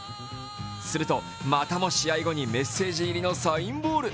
するとまたも試合後にメッセージ入りのサインボール。